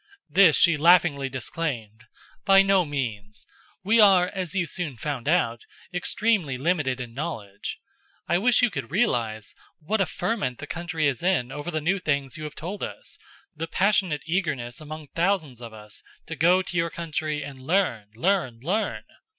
This she laughingly disclaimed. "By no means. We are, as you soon found out, extremely limited in knowledge. I wish you could realize what a ferment the country is in over the new things you have told us; the passionate eagerness among thousands of us to go to your country and learn learn learn!